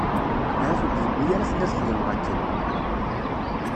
Ahat ur d-yewwi ara fell-i ad xedmeɣ akken.